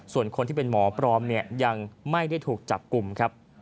ส่วนคนที่เป็นหมอปลอมเนี่ยยังไม่ได้ถูกจับกลุ่มครับ